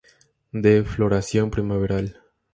De floración primaveral.